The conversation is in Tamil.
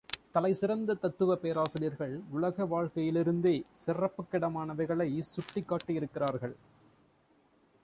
தலைசிறந்த தத்துவப் பேராசிரியர்கள் உலகவாழ்க்கையிலிருந்தே சிரிப்புக்கிடமானவைகளைச் சுட்டிக்காட்டியிருக்கிறார்கள்.